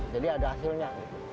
jadi ada hasilnya